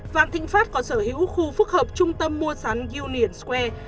vạn thịnh pháp còn sở hữu khu phức hợp trung tâm mua sắn union square